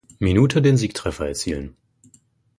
Minute den Siegtreffer erzielen.